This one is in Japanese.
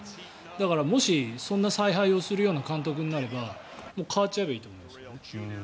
だからもし、そんな采配をするような監督になれば変わっちゃえばいいと思います。